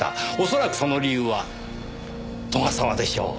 恐らくその理由は斗ヶ沢でしょう。